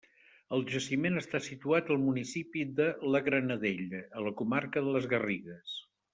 El jaciment està situat al municipi de la Granadella, a la comarca de Les Garrigues.